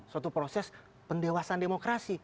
suatu proses pendewasan demokrasi